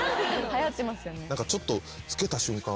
ちょっと付けた瞬間